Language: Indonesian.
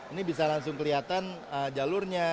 ini bisa langsung kelihatan jalurnya